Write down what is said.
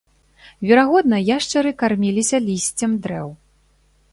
Верагодна, яшчары карміліся лісцем дрэў.